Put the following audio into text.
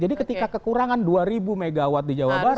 jadi ketika kekurangan dua ribu mw di jawa barat